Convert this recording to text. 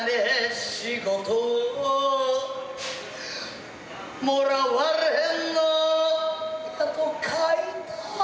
「仕事をもらわれへんのやと書いた」